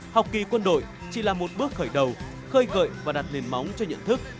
học kỳ quân đội chỉ là một bước khởi đầu khơi gợi và đặt nền móng cho nhận thức